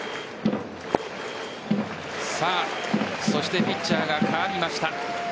そしてピッチャーが代わりました。